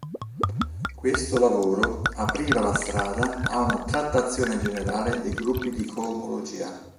Questo lavoro apriva la strada a una trattazione generale dei gruppi di coomologia.